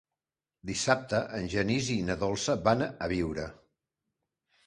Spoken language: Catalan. Dissabte en Genís i na Dolça van a Biure.